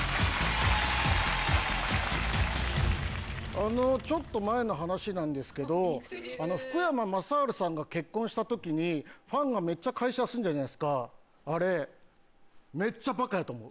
あのちょっと前の話なんですけど福山雅治さんが結婚した時にファンがめっちゃ会社休んだじゃないですかあれめっちゃバカやと思う。